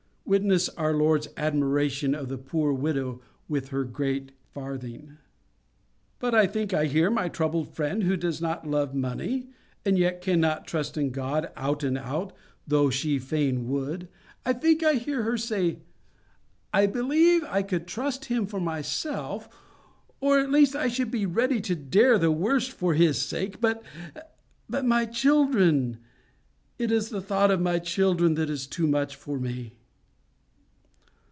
Witness our Lord's admiration of the poor widow with her great farthing. "But I think I hear my troubled friend who does not love money, and yet cannot trust in God out and out, though she fain would,—I think I hear her say, "I believe I could trust Him for myself, or at least I should be ready to dare the worst for His sake; but my children—it is the thought of my children that is too much for me."